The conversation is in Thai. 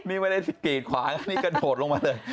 นี่ไม่ได้กรีดขวานะนี่กระโดดลงมาเลย